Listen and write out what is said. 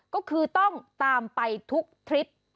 ก็คือต้องตามไปทุกทริป